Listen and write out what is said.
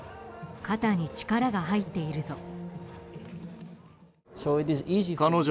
肩に力が入っているぞ。